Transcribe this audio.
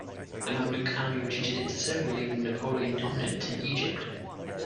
The Mameluke army retreated into Syria, leaving Napoleon dominant in Egypt.